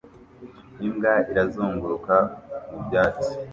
Imbwa irazunguruka mu byatsi